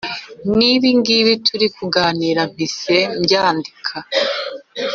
Nibingibi turi kuganira mpise mbyandika